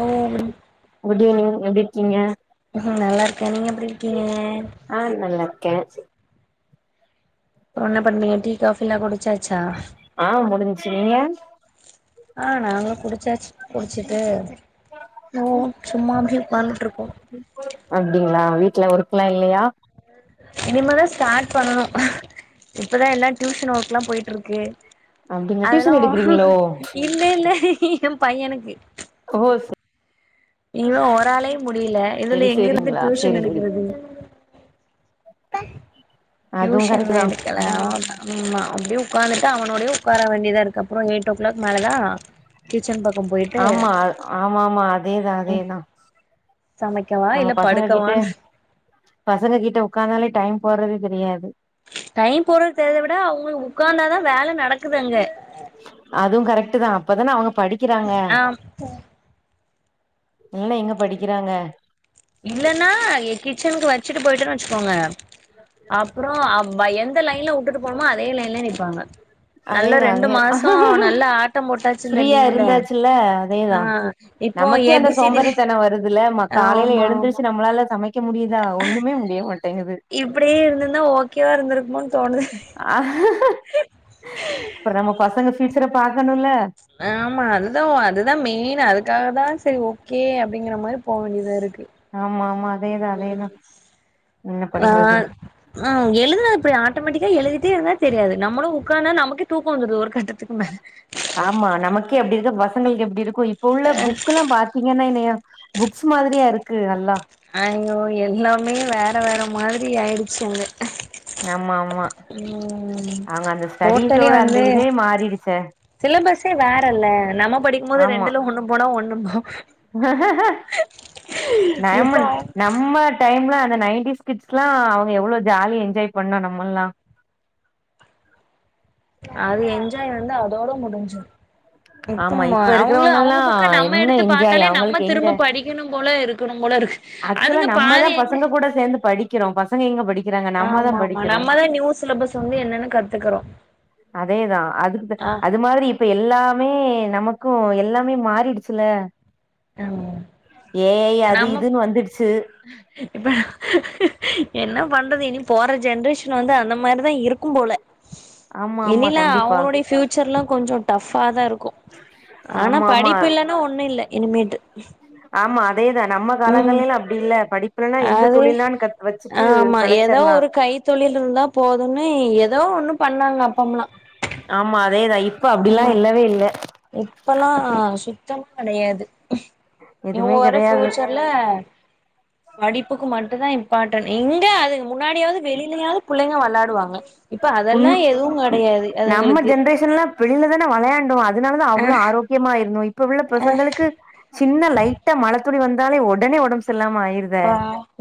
ஓ good evening எப்டி இருக்கீங்க உஹம் நல்லா இரு நீங்க எப்டி இருக்கீங்க கே என்ன பண்றிங்க டீ காபிலா குடிச்சாச்சா ஆஹ் முடிஞ்ச்சு நீங்க ஆஹ் நாங்களு குடிச்சாச்சு குடிச்சிட்டு ந சும்மா அப்டியே உட்கார்ந்துட்டு இருக்கோ அப்டிங்களா வீட்ல ஒர்க்லா இல்லையா இனிமதான் ஸ்டார்ட் பண்ணணு இப்பதான் எல்லா டியூஷன் ஒர்க் எல்லா போயிட்டு இருக்கு அப்டிங்களா அதெல்லா டியூஷன் எடுக்கிறீங்களோ இல்ல இல்ல என் பையனுக்கு ஓ நீங்க ஓராளே முடியல இதுல செரி எங்க இருந்து செரிங்களா டியூஷன் செரி செரி எடுக்குறது [inaudible] அதுவு கரெக்ட் டியூஷன்லா தா எடுக்கல ஆமா அப்டிய உட்காந்துட்டு அவனோடய உட்கார வேண்டியதா இருக்கு அப்புறம் எயிட் ஓ கிளாக் மேல தான் கிட் ஆமா ஆமா ஆமா அதேதா அதேதா சமைக்கவா நம்ம இல்ல பசங்க கிட்ட படுக்கவான்னு பசங்க கிட்ட உட்காந்தாலே டைம் போறது தெரியாது டைம் போடுறது தெரியாதத விட அவங்களுக்கு உட்காந்தாதான் வேல நடக்குது அங்க அதுவும் கரெக்ட் தான் அப்ப தான அவுங்க ஆ இல்ல எங்க படிக்கிறாங்க இல்லன்னா கிச்சனுக்கு வச்சுட்டு போயிட்டேன்னு வச்சுக்கோங்க அப்புறம் எந்த லைன்ல விட்டுட்டு போனமோ அதே லைன்ல நிப்பாங்க நல்லா அதேதான் ரெண்டு மாசோ அதோன் நல்லா ஆட்டம் போட்டாச்சுல்ல ப்ரீயா லீவ்ல இருந்தாச்சுல்ல ஆ அதேதான் இப்போ நமக்கே ஏ அந்த பி சி டி சோம்பாறித்தனம் வருதுல காலைல ஆமா ஆமா எழுந்துரிச்சு நம்மளால சமைக்க க முடியுதா ஒண்ணுமே முடிய மாட்டேங்குது இப்படியே இருந்தன்னா ஓகேவா இருந்திருக்குமோு தோணுது அற நம்ம பச ங்க பியூச்சரை பாக்கணும் ல ஆமா அதுதான் அதுதான் மெயின் அதுக்காக தான் சரி ஓகே அப்படிங்கிற மாரி போக வேண்டியிதாக இருக்குது ஆமா ஆமா அதேதா அதேதா என்ன ஆ பண்றது ம் எழுதுனா அப்படி ஆட்டோமேட்டிக்கா எழுதி சத்தி இருந்தா தெரியாது நம்மளும் உட்கான்னா நமக்கு தூக்கம் வந்தது ஒரு கட்டத்துக்கு மேல ஆமா நமக்கே அப்படி இருக்க பசங்களுக்கு எப்படி இருக்கு இப்ப உள்ள புக் எல்லாம் பாத்தீங்கன்னா என்னைய புக்ஸ் மாதிரியா இருக் க்கு அல்லா யயோ எல்லாமே வேற வேற மாதிரி ஆயிடுச்சு அங்க ஆமா ஆமா ம் அவங்க அந்த ஸ்டடிஸோட அந்த இதே மாறிடுச்சே சிலபஸ்சே வேறல்ல நம்ம படிக்கும் போது ரெண்டுல ஒண்ணு போனோ ஒன்னு ண்ணும்போ நம இப்ப நம்ம டைம் அந்த நைன்டீஸ் கிட்ஸ்ல்லா அவங்க எவ்ளோ ஜாலிய என்ஜாய் பண்ணம் நம்மல்லா அது என்ஜாய் வந்து அதோட முடிஞ்சு ஆமா இப்ப இருக்கிறவெங்கெல்லா நம்ம என்ன எடுத்து என்ஜாய் பாத்தாலே நம்ம அவங்களுக்கு எங்க திரும்ப படிக்கணும் போல இருக் ஆக்சுவலா நம்ம தா பசங்க கூட சேந்து படிக்கிறோம் பசங்க எங்க படிக்க கிறாங்க நம்ம தா ஆமா ஆமா படிக்கிறோ நம்மதா நியூ சிலபஸ் வந்து என்னன்னு கத்துக்குறோ அதேதா அதுக்கு ஆ அது மாதிரி இப்ப எல்லா மே நமக்கும் எல்லாமே மாறிடுச்சுல ஏ ஐ அது நம்ம இதுன்னு வந்துருச்சு இப்ப என்ன பண்றது இனி போற ஜென்ரேஷன் வந்து அந்த மாரிதா இருக்கும் போல ஆமா ஆமா இனிலா கண்டிப்பா அவங்களோட ஃபியூச்சர்ல்லா கொஞ்சோ ஃடப்பா தா இருக்கு ஆனா ஆமா ஆமா படிப்பு இல்லன்னா ஒண்ணு இல்ல இனிமேட்டு அதேதா நம்ம ம் காலங்களல்லா அப்டி இல்ல படிக்க அது ஆ ஆமா ஏதோ பிழச்சிரலாம் ஒரு கைத்தொழில் இருந்தா போதும்ன்னு ஏதோ ஒண்ணு பண்ணாங்க அப்பம்லா ஆமா அதே தா இ உம் இப்பெல்லா சுத் சுத்தமா கெடையாது எதுவுமே இவங்க வர கெடையாது ஃபியூச்சர்ல படிப்புக்கு மட்டும் தா இம்பார்டன்ட் இங்க அதுக்கு முன்னாடியாவது வெளியிலயாவது புள்ளிங்க வெளாடுவாங்க இப்ப உண் அதெல்லா எதும் கெடையாது நம்ம அதுங்களுக்கு ஜென்ரேஷன்லாம் வெளில தானே வெளாண்டோ அதனாலதா அவ்ளோ ஆரோக்கியமா இருந்தோ இப்ப உள்ள பசங்களுக்கு சின்ன லைட்டா மழ துளி வந்தாலே ஒடனே ஒடம்பு செரில்லாம ஆயு இந்த ஆ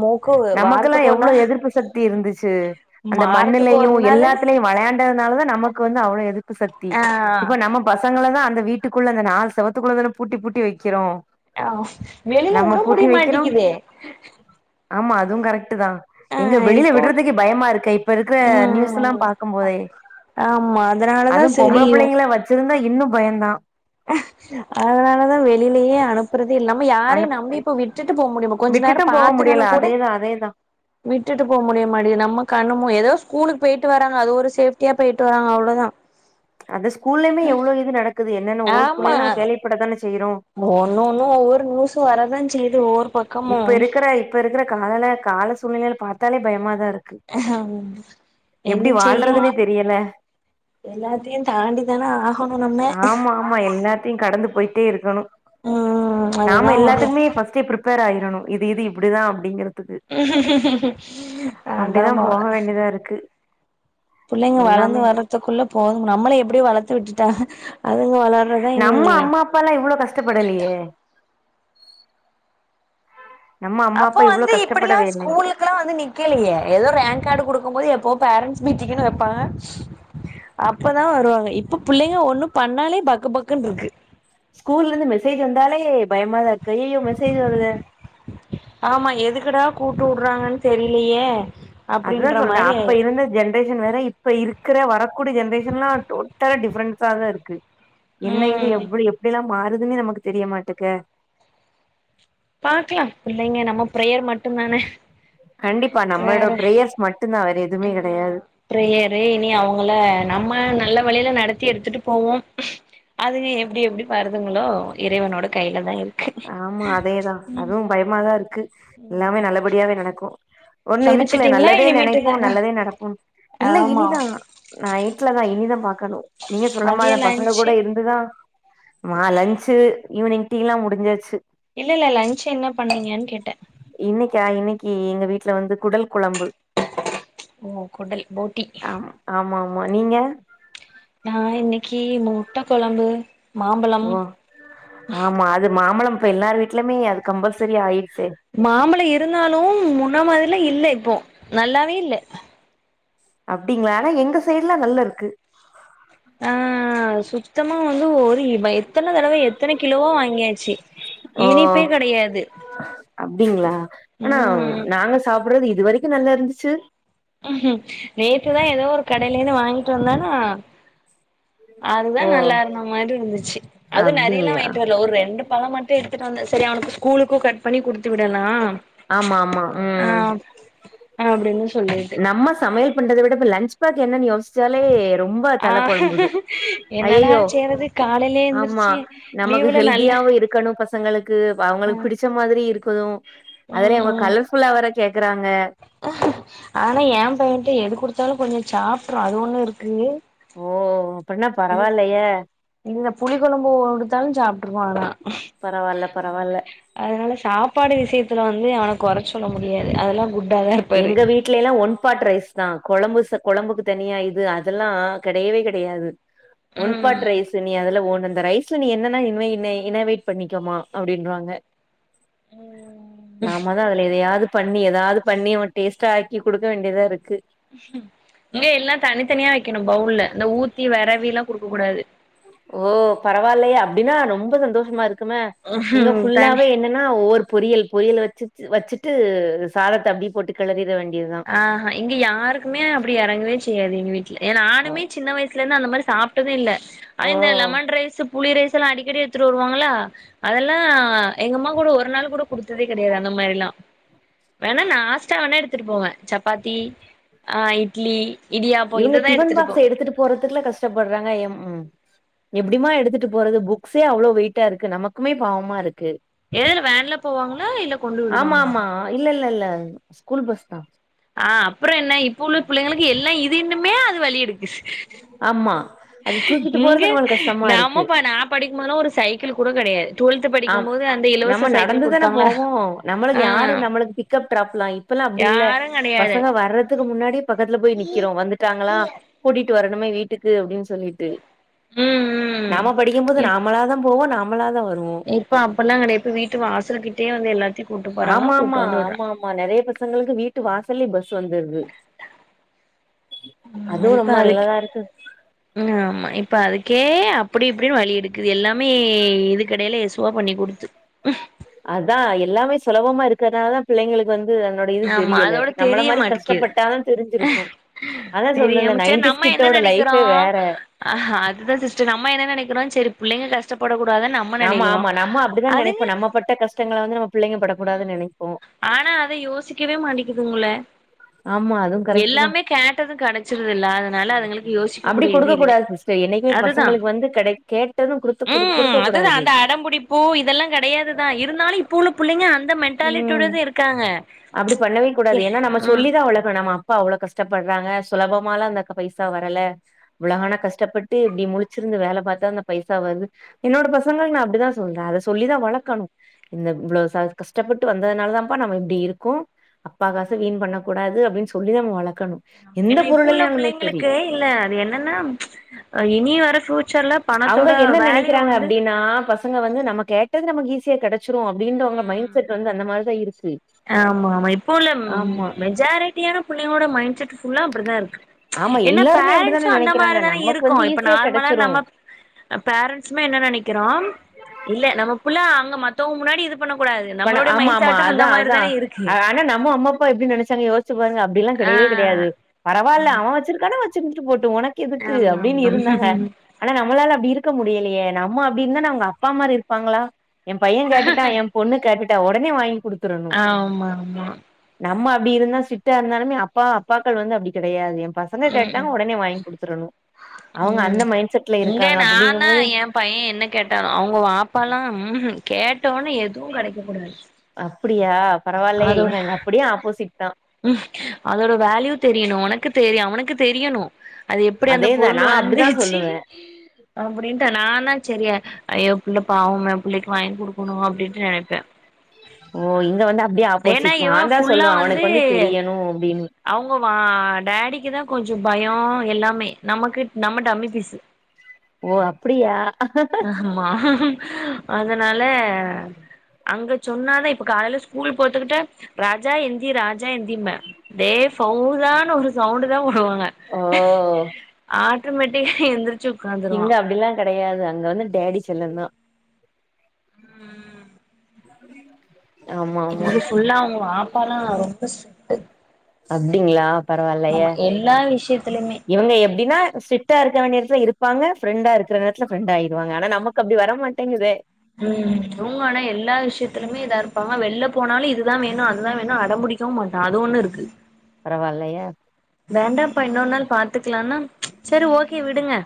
மூக்கு நமக்கெல்லா வாரத்துக்கு ஒரு எவ்ளோ நாள் எதிர்ப்பு சக்தி இருந்துச்சு அந்த வாரத்துக்கு மண்ணிலயு ஒரு நாளு எல்லாத்திலையு வெளையாண்டதுனால தா நமக்கு வந்து அவ்ளோ எதிர்புசக்தி ஆ இப்ப நம்ம பசங்கள தா அந்த வீட்டு வீட்டுக்குள்ள அந்த நாலு செவத்துக்குள்ளதானே பூட்டி பூட்டி வைக்கிறோ ஆஹ் வெளியில நம்ம உட பூட்டி முடிய வைக்கிறோ மாட்டிங்க்குது ஆமா அது கரெக்ட் தா தா எங்க வெளியில இப்போ விடுறதுக்கே பயமா இருக்கே இப்ப இருக்கிற நியூஸ் ம் ஆமா அதனாலதா அதுவு செரி பொம்பள புள்ளைங்கள [unintelligible] இன்னு பயந்தா அதனாலதா வெளியிலேயே அனுப்புறதே இல்லாம ஆனா யாரையு நம்பி இப்ப விட்டுட்டு போ முடியுமா கொஞ்சு நேரோ விட்டுட்டு போக முடியல பாத்துங்கன்னு கூட அதேதா அதேதா விட்டுட்டு போக முடிய மாடிங்குது நம்ம கண்ணு மு ஏதோ ஸ்கூலுக்கு போயிட்டு வராங்க அது ஒரு சேப்டியா போயிட்டு வராங்க அவ்ளோதா அது ஸ்கூல்லயுமே எவ்ளோ இது நடக்குது என்னன்ன ஒவ்வொரு ஆமா ஸ்கூல்லயெல்லா கேள்விப்பட தானே செய்யிறோ சேது ஓரோ இப்ப இருக்குற இப்ப இருக்குற காலல கால சூழ்நிலையில பாத்தாலே பயமா தா இருக் என்ன செய்ய வாழ்றதுன்னே தெரியல எல்லாத்தையு தாண்டிதானே ஆகணு நம்ம ட்டே இருக்கணு ம் அதுதா நாம ஒரு எல்லாத்துக்குமே ஃபஸ்டே பிரிப் பிரிப்பர் ஆயிரணு இது இது இப்படிதா அப்படிங்கறது அதா அப்டிதா போல போக வேண்டியதா இருக்கு புள்ளைங்க வளந்து எல்லாமே வரதுக்குள்ள போதும் நம்மள எப்பிடியோ வளத்து விட்டுட்டாக நம்ம அம்மா அப்பாலா இவ்வளோ கஷ்டப்படலையே நம்ம அம்மா அப்போ அப்பா இவ்ளோ வந்து இப்பிடிலா கஷ்டப்படவே இல்ல ஸ்கூலுக்கு எல்லா வந்து நிக்கலையே ஏதோ ரேங்க் கார்டு கொடுக்கு போது எப்போ பேரண்ட்ஸ் மீட்டிங்ன்னு வெப்பாங்க அப்பதா வருவாங்க இப்ப பிள்ளைங்க ஒண்ணு பண்ணாலே பக்கு பக்கு க்குனு இருக்கு ஸ்கூல்ல இருந்து மெசேஜ் வந்தாலே பயமாதா இருக் ஆமா எதுக்குடா கூப்டு விடுறாங்கன்னு தெரியிலேயே அதுதா சொல்றே அப்ப இருந்த ஜென்ரேஷன் வேற இப்ப இருக்குற வரக்கூடிய ஜென்ரேஷன் எல்லா டோட்டலா டிஃப்ரெண்ஸதா இருக்கு என்ன இது ம் எப்டி எப்பிடில்லா மாறுதுன்னே நமக்கு தெரிய மாட்டுக்க பாக்கலா பிள்ளைங்க நம்ம பிரேயர் மட்டுந்தானே கண்டிப்பா நம்மளோட ப்ரேயர்ஸ் மட்டுந்தா வேர ஆ ப்ரேயரு இனி அவங்கள நம்ம நல்ல வழியில நடத்தி எடுத்துட்டு போவோம் அதுங்க எப்பிடி எப்பிடி வருதுங்களோ இறைவனோட கையில தா இருக்கு ஆமா அதேதா உம் அதுவு பயமாதா இருக்கு எல்லாமே நல்லபடியாவே நடக்கும் ஒண்ணும் இருக்குல்ல சமைச்சிட்டீங்களா நல்லதே இனிமேட்டு நினைப்போம் தானா நல்லதே நடப்போம் இல்ல ஆமா இனிதான் நான் நைட்ல தான் இனிதான் பா ண நீங்க சொல்லமா மதிய பசங்க கூட லன்ச்சு இருந்துதான் மா லன்ச் ஈவினிங் டீ லாம் முடிஞ்சாச்சு இல்ல இல்ல லன்ச் என்ன பண்ணீங்கன்னு கேட்டேன் கி எங்க வீட்ல வந்து குடல் குழம்பு ஓ கொடல் போட்டி ஆம் ஆமா ஆமா நீங்க நான் இன் கி முட்ட கொழம்பு மாம்பழம் ஓ ஆமா அது மாம்பழம் இப்ப எல்லார் வீட்லுமே அது கம்பல்சரி ஆயிட்டு மாம்பழம் இருந்தாலும் முன்ன மாரிலாம் இல்ல இப்போ நல்லாவே இல்ல அப்படிங்களா ஆனா எங்க சைடு எல்லாம் நல்லா இருக்கு ஆ சுத்தமா [unintelligible] இ எத்தனை தடவை எத்தனை கிலோவா வாங்கியாச்சு ஓ இனிப்பே கிடையாது அப்டிங்களா ஆனா ம் நாங்க சாப்டுறது இது வரைக்கும் நல்லா இருந்துச்சு நேத்துதான் ஏதோ ஒரு கடையிலேன்னு வாங்கிட்டு வந்தானா ஓ அதுதான் நல்லா இருந்த மாரி இருந்துச்சு அதுவும் நறைய எல்லாம் அப்டிங்களா வாங்கிட்டு வரல ஒரு ரெண்டு பழம் மட்டும் இரு வந்த சரி அவனுக்கு ஸ்கூலுக்கும் கட் பண்ணி குடுத்து விடலாம் ஆமா ஆமா ஆ ம் ஆ அப்டின்னு சொல்லு நம்ம சமையல் பண்றதை விட ப லஞ்ச் பேக் என்ன யோசி சாலே ரொம்ப ஆ தலை குழம்புது என்னடா ஐயயோ செய்றது காலையிலயே ஆமா எந்திரிச்சு நமக்கு லீவுல நல்ல ஹெல்தியாவ இருக்கணும் ஃபர்ஸ்ட் ங்களுக்கு அவங்களுக்கு ம் பிடிச்ச மாதிரி இருக்கு [unintelligible] ம் ம் ஆனா ஏன் பையன்ட்டு எது கொடுத்தாலும் கொஞ்சம் சாப்பிட்ரா அது ஒன்னு இருக்கு ஓ அப்டின்னா இந்த பரவாயில்லையே இந்த புளி குழம்பு கொடுத்தாலும் சாப்பிட்டுருப்பான் ஆனா பரவால்ல பரவால்ல அதனால சாப்பாடு விஷயத்துல வந்து அவனை குறைச்ச சொல்ல முடியாது அதெல்லாம் குட் எங்க வீட்ல எல்லாம் ஒன் பாட் ரைஸ் தான் கொழம்பு கொழம்புக்கு தனியா இது அதெல்லாம் கெடையவே கெடையாது ஒன் பாட் ம் ரைஸ் நீ அதெல ஓனன் அந்த ரைஸ்ல நீ என்னன்னா இ என் இன்னவெயிட் பண்ணிக்கோமா அப்படின்றாங்க நாம தான் அதுல எதையாவது பண் பண்ணி ஏதாவது பண்ணி அவன் டேஸ்ட்டா ஆக்கி கொடுக்க வேண்டியதா இருக்கு இங்க எல்லாம் தனித்தனியா வெக்கணும் பவுல்ல இந்த ஊரு த்தி வறவிலாம் குடுக்க கூடாது ஓ பரவாயில்லையே அப்படின்னா ரொம்ப சந்தோஷமா இருக்கு மே இங்க தனி ஃபுல்லாவே என்னன்னா ஒரு பொரியல் பொரியல் வெச்சு வச்சுட்டு சாரத்தை அப்படிய போட்டு கிளறிட வேண்டிய ஆஹ்ஹா இங்க யாருக்குமே அப்படி இறங்கவே செய்யாது எ வீட்டுல ஏ ஓ நானமே சின்ன வயசுல இருந்து அந்த மாதிரி சாப்பிட்டதும் இல்ல ஆஹ் ஓ. இந்த லெமன் ரைஸ் புளி ரைஸ் எல்லாம் அடிக்கடி எடுத்துட்டு வருவாங்களா அதெல்லாம் எங்க அம்மா கூட ஒரு நாள் கூட குடுத்ததே கெடையாது அந்த மாதிர எல்லாம் வேணண்ணா ஆஸ்டா வேன எடுத்து எடுத்துட்டு போவேன் சப்பாத்தி ஆஹ் இட்லி இடியாப்போ இவங்க இததா டிஃபன் போவ பாக்ஸ் எடுத்துட்டு போறதுக்குல கஷ்டப்படுறாங்க என் உம் எப்படிமா எடுத்துட்டு போறது புக்ஸே அவ்வளோ வெயிட்டா இருக்கு நமக்குமே பாவமா இருக் எதுல வேன்ல போவாங்களா இல்ல கொண்டு ஆமா விடுவாங்களா. ஆமா இல்ல இல்ல இல்ல ஸ்கூல் பஸ்தா. ஆஹ அப்புற என்ன இப்ப உள்ள புள்ளைங்களுக்கு எல்லாம் இதுன்ன. மே அது வழிடு. ஆம்மா. இங்க நாமப்பா நான் படிக்கும் போது ஒரு சைக்கிள். கூட கெடையாது டுவெல்த் ஆம் படிக்கும்போது அந்த நம்ம இலவச சைக்கிள் நடந்துதானே குடுத்தாங்களா போவோம் நம்மளுக்கு ஆ யாரு நம்மளுக்கு பிக்கப் டிராப்லாம் இப்பல்லாம் அப்படி இல்ல யாரு கெடையாது பசங்க வர்றதுக்கு முன்னாடியே பக்கத்துல போய் நிக்கிறோம் வந்துட்டாங்களா கூட்டிட்டு வர. னுமே வீட்டுக்கு அப்படின்னு சொல். சொல்லிட்டு ம் ம் நாம படிக்கும்போது இப் நாமளாதா போவோம் நாம. அவ்ளதா. இப்ப அப்படில்லாம் கெடையாது வீட்டு வாசல்க்கிட்டயே வந்து எல்லாத். ஆமா ஆமா ஆமா ஆமா நெறைய பசங்களுக்கு வீட்டு. வீட்டு வாசலியே பஸ் வந்துருது. உம் அதுவு இப்ப ரொம்ப அதுக்கு நல்லதா இருக்கு ஆமா இப்ப அதுக்கே. அப்படி இப்படின்னு வழி எடுக்குது எல்லாமே இது கடையில சுவா பண்ணி கொடுத்து உஹம். அதான் எல்லாமே சுலபமா இருக்கிறதுனால தான் பிள்ளைங்களுக்கு வந்து. அதனோட இது ஆமா தெரியல. அதோட நம்மள தெரிய மாரி 'மாட்டேக்குது கஷ்டப்பட்டா தான் தெரிஞ்சிருக்கும். அதான் சொன்னேன்ல தெரியாம சரி நம்ம என்ன கிட்டோட லைஃபே நினைக்கிறோம் வேற. அதுதான் சிஸ்டர் நம்ம என்ன நினைக்கிறோம் சரி. புள்ளைங்க கஷ்டப்படக்கு நாம ஆமா நம்ம அப்படிதான் நினைப்போம் நம்ம பட்ட கஷ்டங்கள வந்து நம்ம புள்ளைங்க படக்கூடாதுன்னு நினைப்போம். ச்சுக்கவே மாட்டக்குதுங்கள ஆமா அதுவும் கரெக்ட் தான். எல்லாமே கேட்டதும் கிடைச்சிருது இல்ல அதனால அதுங்களுக்கு யோசிக்க அப்டி கூடிய இது குடுக்க இல்ல கூடாது சிஸ்டர். என்னைக்குமே அதுதான் பசங்களுக்கு வந்து கிடை கேட்டதும் குடுத்து குடு குடுக்க உம். கூடாது. அந்த அடம்பிடிப்பு இதெல்லாம் கிடையாதுதான் இருந்தாலும் இப்போ உள்ள புள்ளைங்க அந்த. ம். மென்டாலிட்டியோடதா இருக்காங்க. அப்டி பண்ணவே எ கூடாது ஏனா நம்ம ம் சொல்லி தான் வளக்கன்னும். நம்ம அப்பா அவ்வளோ கஷ்டப்படுறாங்க சுலபமால அந்த பைசா வரல. இவ்ளோ கால கஷ்டப்பட்டு. அப்படி முழிச்சிருந்து வேல பார்த்து அந்த பைசா வருது என்னோட பசங்களுக்கு நான் அப்படிதான் சொல்றேன் அத சொல்லிதான் வளர்க்கணும் இந்த இவ்வளோ. கஷ்டப்பட்டு வந்ததுனால தான்ப்பா நம்ம இப்படி இருக்கோ. அப்பா காசு வீண் பண்ணக்கூடாது அப்படின்னு சொல்லிதான் நம்ம வளக். ஆமா ஏன்னா இப்ப உள்ள புள்ளைங்களுக்கு இல்ல அது என்னன்னா ம்ச் இனி வர ஃபூச். அவங்க என்ன நினைக்கிறாங்க அப்படின்னா பசங்க வந்து நம்ம கேட். டது நமக்கு ஈசியா கெட. ச்சுரும் அப்படின்ற அவங்க ம் மைண்ட் செட் வந்து அந்த மாதிரிதான் இருக்கு. ஆமா ஆமா இப்போ உள்ள ஆமா மெஜார [unintelligible] புள்ளைங்களோட மைண்ட்செட் அப்படித்தான் இருக்கு ஆமா ஏன்னா எல்லாருமே பாரன்ட்ஸ் அப்டித்தானே அந்த மாதிரி நெனைக்கிறாங்க தான நமக்கு இருக்கோ வந்து இப்போ ஈஸியா நார்மலா கெடச்சிரு நம்ம பாரண்ட்ஸ்மே என்ன நினைக்கிறோம் இல்ல நம்மா புள்ள அங்க மத்த டோ முன்னாடி பண்ணக்கூடாது பண நம்மளுடைய ஆமா மைண்ட் ஆமா சாட் அந்த அதா மாரி அதா ஆனா நம்ம அம்மாப்பா எப்படி நினைச்சாங்க யோசிச்சி பாருங்க அப்படிலாம் ஆ கிடையவே கிடையாது பரவால்ல அவன் வச்சிருக்கானா வச் வச்சிருண்டுபோட் உனக்கு எதுக்கு ஆமா அப்படின்னு இருந்தாங்க ஆமா ஆனா நம்மளால அப்டி இருக்க முடியலையே நம்ம அப்படின்னு தானே அவங்க அப்பாமாரு இருப்பாங்களா என் பையன் கேட்டுட்டான் என் உடனே வாங்கி குடுத்து ஆமா ஆமா அப்படி இருந்தா சிட்டா இருந்தாலுமே அப்பா அப்பாக்கள் வந்து அப்படி கிடையாது உம் அவங்க அந்த உம் மைண்ட் செட்ல இங்க இருக்காங்க நா அப்டிங்கும் தான் போது என் பையன் என்ன கேட்டாலும் அவங்க வாப்பாலாம் ம்உம் கே ட்ட உடனே எதுவும் கிடைக்க கூடாது அப்படியா பரவாயில்யே இங்க அங்க அப்படியே ஆப்போசிட் தான் உம் அதோட வேல்யூ தெரியணும் உன க்கு தெரியும் அவனுக்கு தெரியணும் அது எப்படி அந்த அதேதா பொருள் நா அப்டிதா வந்துச்சு சொல்லுவ அப்படின்ட்டு நானா சரிய எ புள்ள பாவம புள்ளைக்கு வாங்கி கொடுக்கணும் அப்படின்ட்டு நினைப்பேன் ஓ இங்க வந்து அப்படியே ஆப்போசிட் நா தான் சொல்லுவன் அவன து அவுங்க வா டேடிக்கு தான் கொஞ்சம் பயம் எல்லாமே நமக்கு நம்ம டம்மி பிஸ் ஓ அப்டியா ஆமா அதனால அங்க சொன்னாதான் இப்ப காலையில ஸ்கூல் போத்துக்கிட்ட ராஜா எந் தி ராஜா எந்திம்பேன் [unintelligible] சவுதான ஒரு சவுண்ட் தான் போடுவாங்க ஓ [unintelligible] எந்துச்சு உட்காந்துருவான் யாது அங்க வந்து டேடி செல்லம் தான் உஹம் [inaudible] ஆமா இது ஃபுல்லா உம் வாப்பாலா ரொ ம்ப ஸ்ட்ரீட்டு அப்டிங்களா பரவால்லையே. எல்லா விஷயத்துலயுமே இவங்க எப்டின்னா ஸ்ட்ரிட்டா இருக்க வேண்டிய இருப்பாங்க ஃப்ரெண்டா இருக்குற நேரத்துல ஃப்ரெண்ட் ஆயிருவாங்க ஆனா நமக்கு அப்படி வர மாட்டேங்குதே. உஹம் இவுங்க ஆனா எல்லா விஷய்த்துலுமே இதா இருப்பாங்க வெள்ல போனாலு இதுதா வேணு அதுதா வேணு அடம் புடிக்கவு மாட்டான் அது ஒண்ணு இருக்கு பரவாலயே வேண்டாம்ப்பா இன்னோர் நாள் பாத்துக் கலான்னா செரி ஓகே விடுங்க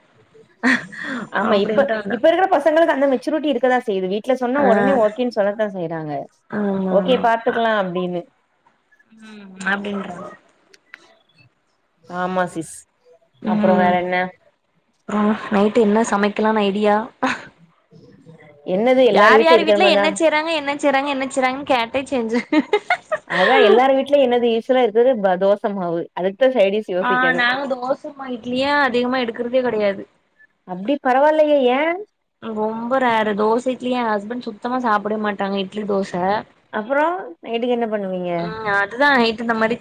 ஆமா இப்ப அப்டின்ட்டாங்க இப்ப இருக்குற பசங்களுக்கு அந்த மெச்சூரிட்டி இருக்கதா செய்யுது வீட்ல சொன்னா ஆ உடனே ஓகேன்னு சொல்ல தா செய்றாங்க ஆமா ஓகே பாத்துக்கலா அப்டின்னு உம் அப்புடின்றாங்க ஆமா சிஸ் அப்பொறோ வேற என்ன ஆஹ் நைட்டு என்ன சமைக்கலான் ஐடியா என்னது எல்லாரு யார் வீட்ல யார் இருக்குற மார்தா என்ன செய்றாங்க என்ன செய்றாங்க என்னச்செய்றாங்கன் கேட்டா செஞ்ச அதா திரும்ப அழை ஆஹ் நாங்க தோசமா இட்லியா அதிகமா எடுக் க்குறதே கெடையாது அப்டி பரவாயில்லையே ஏ ரொம்ப ரேரு தோச இட்லி எ ஹஸ்பண்ட் சுட் சுத்தமா சாப்டவே மாட்டாங்க இட்லி தோச அப்பறோ நைட்டுக்கு என்ன பண்ணுவீங்க ம் அதுதா நைட்டு இந்த மாரி சப்